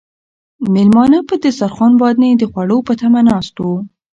مېلمانه په دسترخوان باندې د خوړو په تمه ناست وو.